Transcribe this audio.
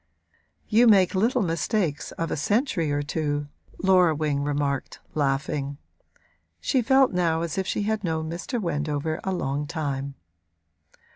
'You make little mistakes of a century or two,' Laura Wing remarked, laughing. She felt now as if she had known Mr. Wendover a long time.